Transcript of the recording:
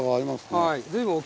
はい。